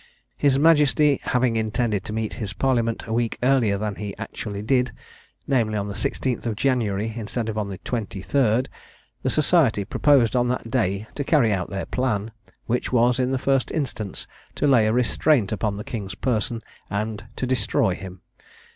His Majesty having intended to meet his Parliament a week earlier than he actually did, namely, on the 16th January instead of on the 23rd, the society proposed on that day to carry out their plan, which was in the first instance to lay a restraint upon the King's person, and to destroy him.